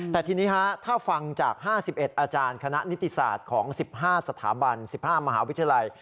แต่ทีนี้ถ้าฟังจาก๕๑อาจารย์คณะนิติศาสตร์ของ๑๕สถาบัน๑๕มหาวิทยาลัย